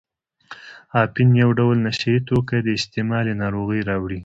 اپین یو ډول نشه یي توکي دي استعمال یې ناروغۍ راوړي.